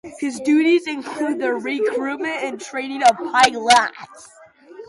His duties included the recruitment and training of pilots.